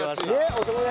お友達。